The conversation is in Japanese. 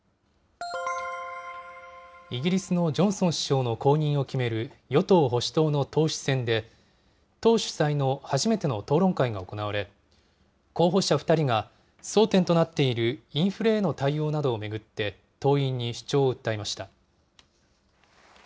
イギリスのジョンソン首相の後任を決める与党・保守党の党首選で、党主催の初めての討論会が行われ、候補者２人が争点となっているインフレへの対応などを巡って、党員に主張を訴えました。